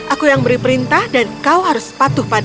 aku yang beri perintah dan kau harus patuh pada